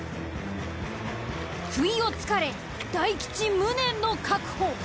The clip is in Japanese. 不意を突かれ大吉無念の確保。